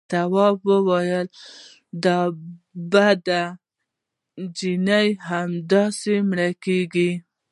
تواب وويل: د بدو نجلۍ همداسې مړه کېږي.